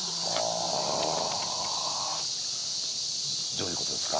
どういう事ですか？